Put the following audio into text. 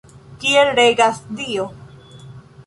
Kiel regas Dio?